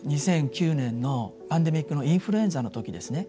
２００９年のパンデミックのインフルエンザの時ですね。